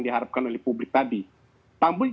diharapkan oleh publik tadi namun